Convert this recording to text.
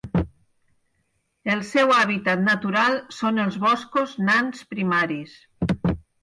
El seu hàbitat natural són els boscos nans primaris.